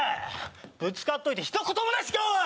ぶつかっといてひと言もなしかおい！